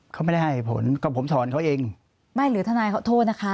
เขาไม่ได้ให้ผลก็ผมถอนเขาเองไม่หรือทนายเขาโทษนะคะ